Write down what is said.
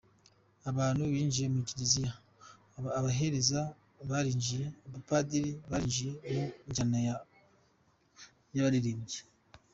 Abantu binjiye mu kiliziya, abahereza barinjiye, abapadiri barinjiye, mu njyana y’abalirimbyi.